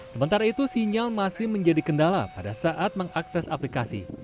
sementara itu sinyal masih menjadi kendala pada saat mengakses aplikasi